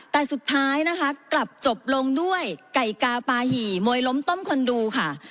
แต่สุดท้ายนะคะกลับจบลงด้วยไก่กาปาหี่มวยล้มต้มคนดูค่ะ